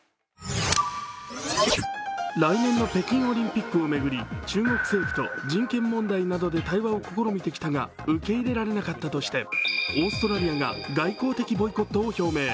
来年の北京オリンピックを巡り、中国政府と人権問題などで対話を試みてきたが、受け入れられなかったとしてオーストラリアが外交的ボイコットを表明。